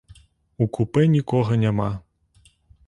У купэ нікога няма.